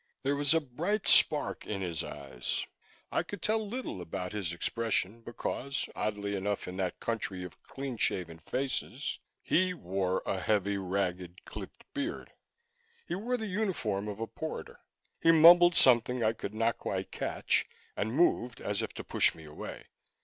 There was a bright spark in his eyes; I could tell little about his expression because, oddly enough in that country of clean shaven faces, he wore a heavy, ragged, clipped beard. He wore the uniform of a porter. He mumbled something I could not quite catch, and moved as if to push me away.